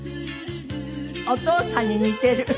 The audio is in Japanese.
お父さんに似てる。